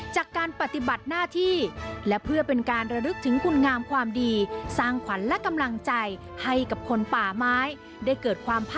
จากการปฏิบัติหน้าที่และเพื่อเป็นการรำรึกถึงคุณงามความดี